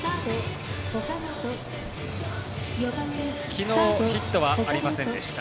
昨日、ヒットはありませんでした。